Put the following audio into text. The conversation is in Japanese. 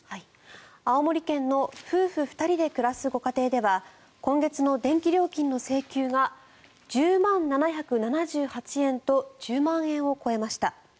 青森県の夫婦２人で暮らすご家庭では今月の電気料金の請求が１０万７７８円と１０万円を超えました。